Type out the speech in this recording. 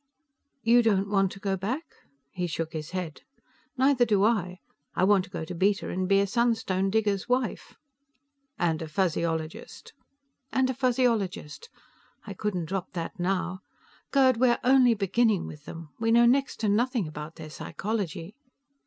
"You don't want to go back?" He shook his head. "Neither do I. I want to go to Beta and be a sunstone digger's wife." "And a Fuzzyologist." "And a Fuzzyologist. I couldn't drop that now. Gerd, we're only beginning with them. We know next to nothing about their psychology."